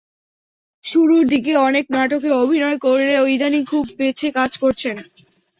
শুরুর দিকে অনেক নাটকে অভিনয় করলেও ইদানীং খুব বেছে কাজ করছেন।